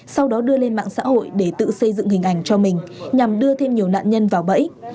sau đó đưa lên mạng xã hội để tự xây dựng hình ảnh cho mình nhằm đưa thêm nhiều nạn nhân vào bẫy